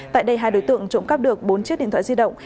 tại đây hai đối tượng trộm cắp được bốn chiếc điện thoại di động